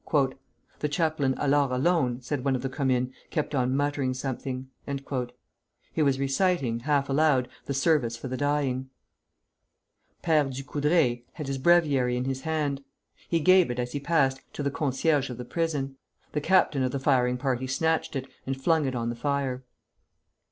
"The chaplain Allard alone," said one of the Commune, "kept on muttering something." He was reciting, half aloud, the service for the dying. Père Ducoudray had his breviary in his hand. He gave it, as he passed, to the concierge of the prison. The captain of the firing party snatched it, and flung it on the fire.